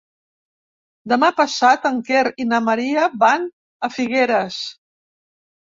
Demà passat en Quer i na Maria van a Figueres.